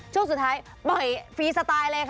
ช่วงสุดท้าย